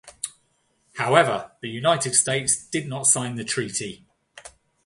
However, the United States did not sign the treaty.